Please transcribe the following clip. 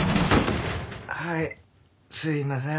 はいすいません。